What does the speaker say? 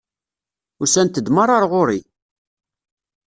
Usant-d meṛṛa ar ɣur-i!